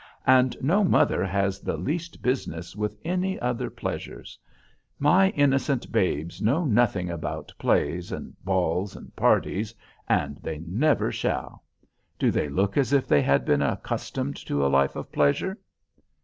And no mother has the least business with any other pleasures. My innocent babes know nothing about plays, and balls, and parties; and they never shall. Do they look as if they had been accustomed to a life of pleasure?"